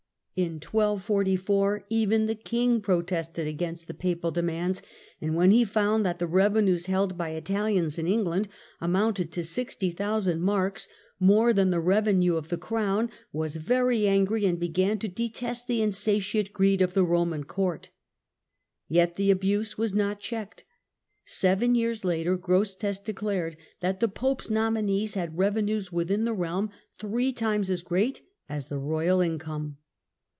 In 1 244 even the king protested against the papal demands, and when be found that the revenues held by Italians in England amounted to 60,000 marks, more than the revenue of the crown, "was very angry, and began to detest the insatiate greed of the Roman court". Yet the abuse was not checked. Seven years later Grosseteste declared that the pope's nominees had revenues within the realm three times as great as the royal mcome.